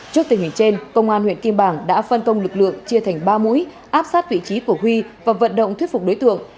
trước tình hình trên công an huyện kim bảng đã phân công lực lượng chia thành ba mũi áp sát vị trí của huy và vận động thuyết phục đối tượng